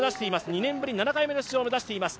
２年ぶり７回目の出場を目指しています。